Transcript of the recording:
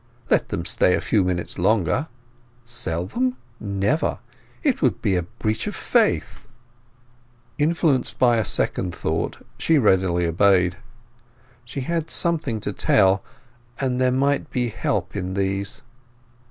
"Let them stay a few minutes longer. Sell them? Never. It would be a breach of faith." Influenced by a second thought she readily obeyed. She had something to tell, and there might be help in these.